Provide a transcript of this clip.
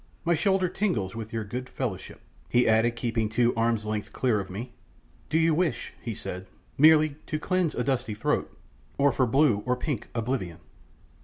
My shoulder tingles with your good fellowship," he added, keeping two arms' lengths clear of me. "Do you wish," he said, "merely to cleanse a dusty throat, or for blue or pink oblivion?"